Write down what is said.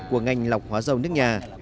của ngành lọc hóa dầu nước nhà